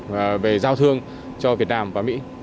và về giao thương cho việt nam và mỹ